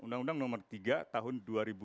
undang undang nomor tiga tahun dua ribu dua